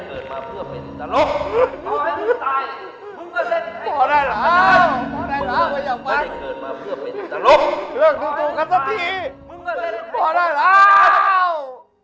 พอได้แล้วพอได้แล้วว่าอย่าฟังเรื่องถูกตรงกันสักทีพอได้แล้ว